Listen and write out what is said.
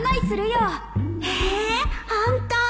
えーホント！？